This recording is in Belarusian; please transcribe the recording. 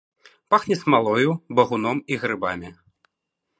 Пахне смалою, багуном і грыбамі.